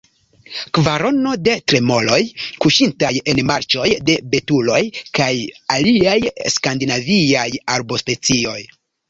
Kvarono – de tremoloj kuŝintaj en marĉoj, de betuloj kaj aliaj skandinaviaj arbospecioj.